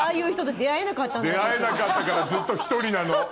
出会えなかったからずっと１人なの。